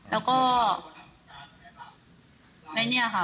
แล้วก็